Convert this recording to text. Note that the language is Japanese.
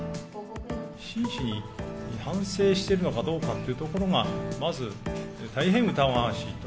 真摯に反省してるのかどうかというところが、まず大変疑わしいと。